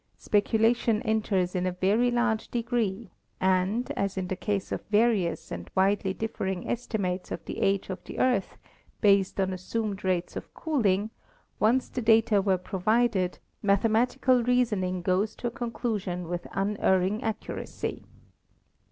Speculation enters in a very large degree, and, as in the case of various and widely dif fering estimates of the age of the Earth based on assumed rates of cooling, once the data were provided, mathemati cal reasoning goes to a conclusion with unerring accuracy.